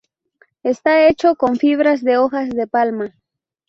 Está hecho con fibras de hojas de palma.